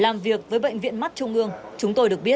làm việc với bệnh viện mắt trung ương chúng tôi được biết